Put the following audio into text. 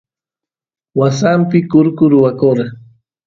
wasampi kurku rwakora